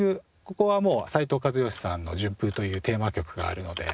ここはもう斉藤和義さんの『純風』というテーマ曲があるので。